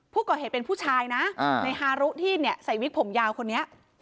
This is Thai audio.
ผู้ก่อเหตุเป็นผู้ชายนะในฮารุที่เนี่ยใส่วิกผมยาวคนนี้